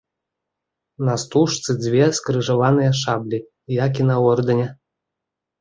На стужцы дзве скрыжаваныя шаблі, як і на ордэне.